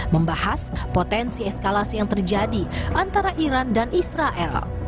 membahas potensi eskalasi yang terjadi antara iran dan israel